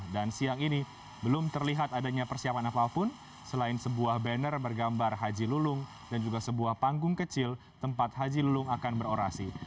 siang ini belum terlihat adanya persiapan apapun selain sebuah banner bergambar haji lulung dan juga sebuah panggung kecil tempat haji lulung akan berorasi